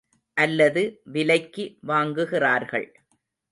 அல்லது விலைக்கு வாங்குகிறார்கள்.